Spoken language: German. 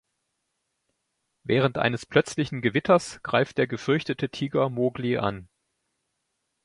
Während eines plötzlichen Gewitters greift der gefürchtete Tiger Mogli an.